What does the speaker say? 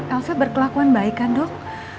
elsa berkelakuan baik kan dok